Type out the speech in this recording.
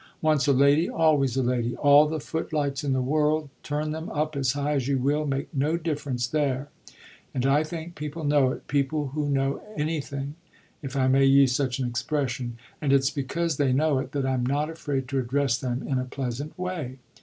Once a lady always a lady all the footlights in the world, turn them up as high as you will, make no difference there. And I think people know it, people who know anything if I may use such an expression and it's because they know it that I'm not afraid to address them in a pleasant way.